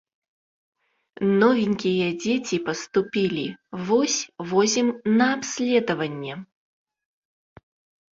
Новенькія дзеці паступілі, вось, возім на абследаванне.